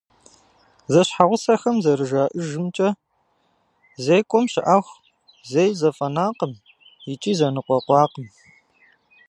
Зэщхьэгъусэхэм зэрыжаӏэжымкӏэ, зекӏуэм щыӏэху зэи зэфӏэнакъым икӏи зэныкъуэкъуакъым.